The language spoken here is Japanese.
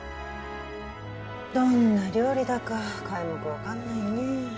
どんな料理だか皆目分かんないねえ